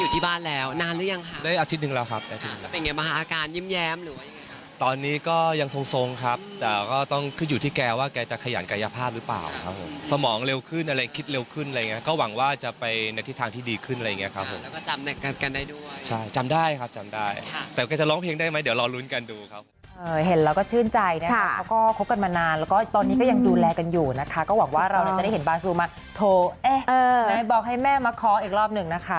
แต่ก็จะร้องเพลงได้ไหมเดี๋ยวรอลุ้นกันดูครับ